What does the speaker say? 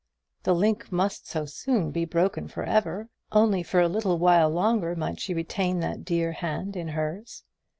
The link must so soon be broken for ever. Only for a little while longer might she retain that dear hand in hers.